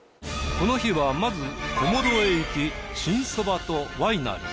この日はまず小諸へ行き新そばとワイナリー。